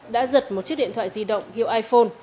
đã giật một chiếc điện thoại di động hiệu iphone